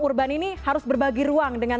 kurban ini harus berbagi ruang dengan